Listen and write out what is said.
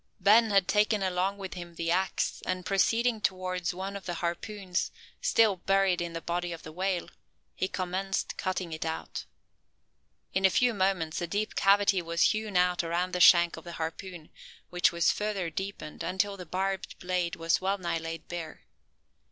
Ben had taken along with him the axe; and, proceeding towards one of the harpoons, still buried in the body of the whale, he commenced cutting it out. In a few moments a deep cavity was hewn out around the shank of the harpoon; which was further deepened, until the barbed blade was wellnigh laid bare.